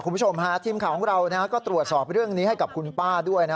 คุณผู้ชมฮะทีมข่าวของเราก็ตรวจสอบเรื่องนี้ให้กับคุณป้าด้วยนะ